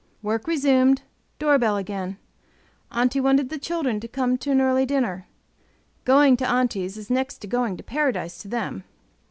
Work resumed; door bell again. Aunty wanted the children to come to an early dinner. Going to Aunty's is next to going to Paradise to them.